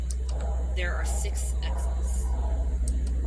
There are six exits.